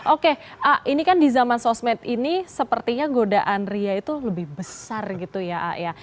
oke ini kan di zaman sosmed ini sepertinya godaan ria itu lebih besar gitu ya